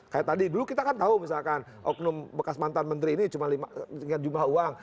kayak tadi dulu kita kan tahu misalkan oknum bekas mantan menteri ini cuma dengan jumlah uang